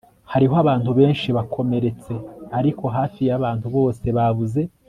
hariho abantu benshi bakomeretse, ariko hafi yabantu bose babuze